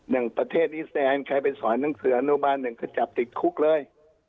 ยังประเทศอีแซนใครไปสอนหนังสืออนุบันตญ์ก็จะจับติดคุกเลย